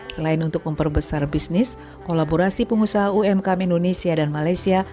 selain untuk memperbesar bisnis kolaborasi pengusaha umkm indonesia dan malaysia